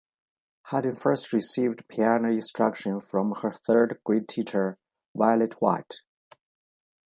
Hardin first received piano instruction from her third-grade teacher, Violet White.